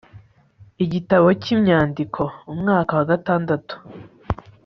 igitabo cy'imyandiko, umwaka wa gatandatu, p